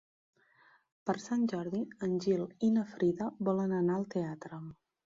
Per Sant Jordi en Gil i na Frida volen anar al teatre.